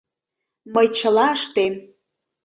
Мый чыла ыштем.